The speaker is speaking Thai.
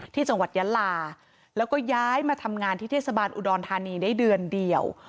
ที่จังหวัดยะลาแล้วก็ย้ายมาทำงานที่เทศบาลอุดรธานีได้เดือนเดียว